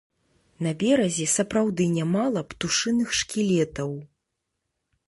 На беразе сапраўды нямала птушыных шкілетаў.